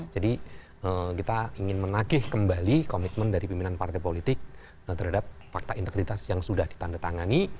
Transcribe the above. jadi kita ingin menagih kembali komitmen dari pimpinan partai politik terhadap fakta integritas yang sudah ditandatangani